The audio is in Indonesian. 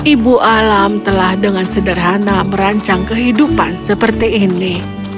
ibu alam telah dengan sederhana merancang kehidupan seperti ini